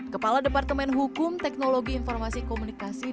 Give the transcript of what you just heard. kepala departemen hukum teknologi informasi komunikasi